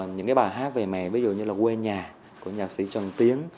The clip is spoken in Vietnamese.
những cái bài hát về mẹ ví dụ như là quê nhà của nhạc sĩ trần tiến